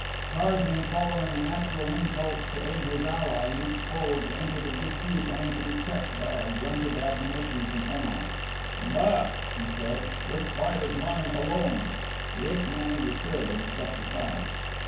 Tarzan, following a natural impulse to aid his ally, leaped forward to enter the dispute only to be checked by a grunted admonition from Om at. "Back!" he said. "This fight is mine, alone." The ape man understood and stepped aside.